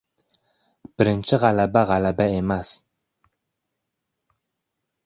• Birinchi g‘alaba — g‘alaba emas.